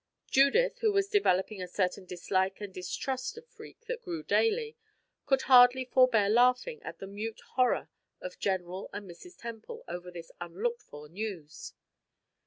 Judith, who was developing a certain dislike and distrust of Freke that grew daily, could hardly forbear laughing at the mute horror of General and Mrs. Temple over this unlooked for news.